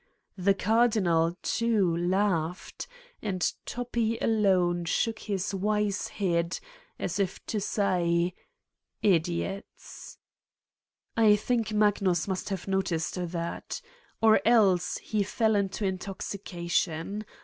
The Cardinal, too, laughed, and Toppi alone shook his wise head, as if to say: "Idiots!" ... I think Magnus must have noticed that. Or else he fell into intoxication.